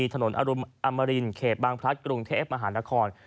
ถนนอรุณอมรินเขตบางพลัดกรุงเทพมหานคร